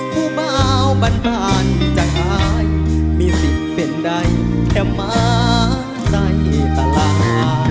ผู้เบาบันบานจากอ้ายมีสิทธิ์เป็นใดแค่มาใดตลาด